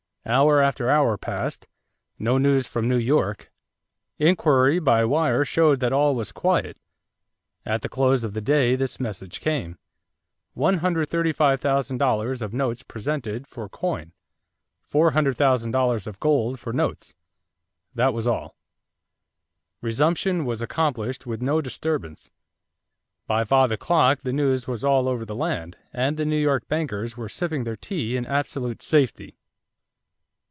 Hour after hour passed; no news from New York. Inquiry by wire showed that all was quiet. At the close of the day this message came: '$135,000 of notes presented for coin $400,000 of gold for notes.' That was all. Resumption was accomplished with no disturbance. By five o'clock the news was all over the land, and the New York bankers were sipping their tea in absolute safety."